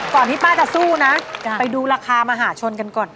ที่ป้าจะสู้นะไปดูราคามหาชนกันก่อน